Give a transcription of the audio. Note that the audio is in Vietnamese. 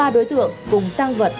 ba đối tượng cùng tăng vật